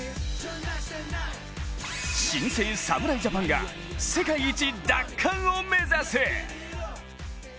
新生侍ジャパンが世界一奪還を目指す！